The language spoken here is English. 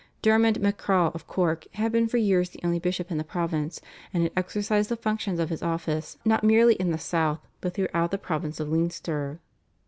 Dermod McCragh of Cork had been for years the only bishop in the province, and had exercised the functions of his office not merely in the South, but throughout the province of Leinster.